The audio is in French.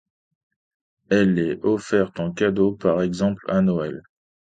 Elle est offerte en cadeau, par exemple à Noël.